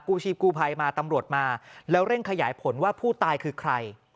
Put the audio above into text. ชีพกู้ภัยมาตำรวจมาแล้วเร่งขยายผลว่าผู้ตายคือใคร